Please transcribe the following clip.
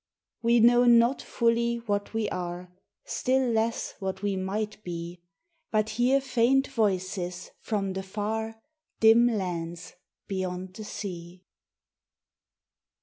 We know not fully what we are, Still less what we might be ; But hear faint voices from the far Dim lands beyond the sea.